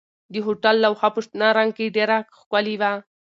د هوټل لوحه په شنه رنګ کې ډېره ښکلې وه.